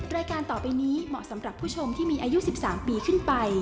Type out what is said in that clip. รายการต่อไปนี้เหมาะสำหรับผู้ชมที่มีอายุ๑๓ปีขึ้นไป